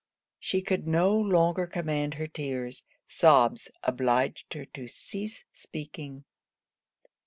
She could no longer command her tears sobs obliged her to cease speaking.